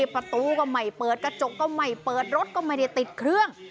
ประตูก็ไม่เปิดกระจกก็ไม่เปิดรถก็ไม่ได้ติดเครื่อง